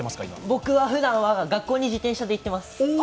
僕はふだんは学校に自転車で行っています。